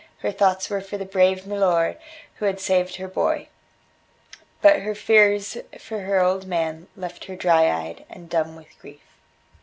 Her thoughts were for the brave milor who had saved her boy; but her fears for her old man left her dry eyed and dumb with grief.